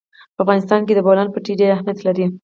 په افغانستان کې د بولان پټي ډېر اهمیت لري.